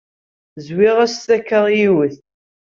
Zwiɣ-as takka i yiwet.